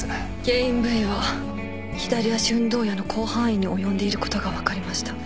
原因部位は左足運動野の広範囲に及んでいることが分かりました